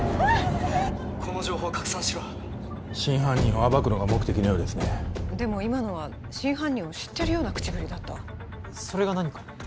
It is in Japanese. この情報を拡散しろ真犯人を暴くのが目的のようですねでも今のは真犯人を知ってるような口ぶりだったそれが何か？